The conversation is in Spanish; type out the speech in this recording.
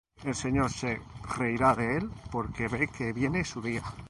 El Señor se reirá de él; Porque ve que viene su día.